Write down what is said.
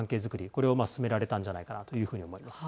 これを進められたんじゃないかなというふうに思います。